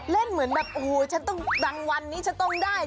เล่นเหมือนแบบโอ้โฮหู๋ฉันต้องรางวัลนี้จะต้องได้